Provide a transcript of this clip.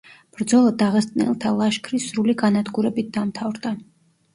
ბრძოლა დაღესტნელთა ლაშქრის სრული განადგურებით დამთავრდა.